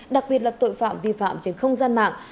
đặc biệt là tội phạm vi phạm trên không gian mạng